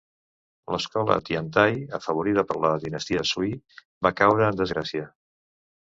L"escola Tiantai , afavorida per la dinastia Sui, va caure en desgràcia.